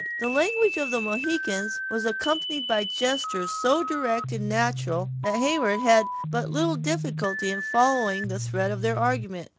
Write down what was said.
The language of the Mohicans was accompanied by gestures so direct and natural that Heyward had but little difficulty in following the thread of their argument.